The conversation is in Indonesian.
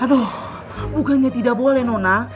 aduh bukannya tidak boleh nona